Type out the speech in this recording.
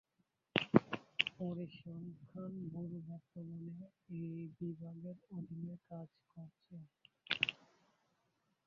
পরিসংখ্যান ব্যুরো বর্তমানে এই বিভাগের অধীনে কাজ করছে।